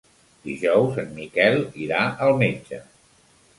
Dijous en Miquel irà al metge.